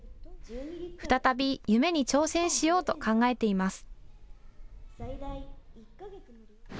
再び夢に挑戦しようと考えています。